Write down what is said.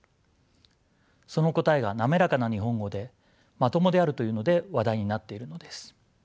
その答えが滑らかな日本語でまともであるというので話題になっているのです。